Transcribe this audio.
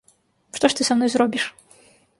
Што ж ты са мной зробіш?